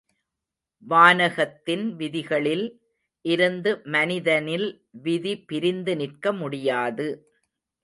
வானகத்தின் விதிகளில் இருந்து மனிதனில் விதி பிரிந்து நிற்க முடியாது.